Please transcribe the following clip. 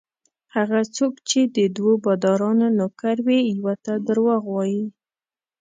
هغه څوک چې د دوو بادارانو نوکر وي یوه ته درواغ وايي.